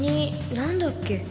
何だっけ？